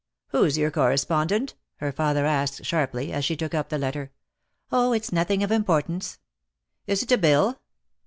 "Who's your correspondent?" her father asked sharply, as she took up the letter. "Oh, it's nothing of importance." "Is it a bill?"